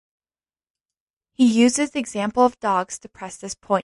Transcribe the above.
He uses the example of dogs to press this point.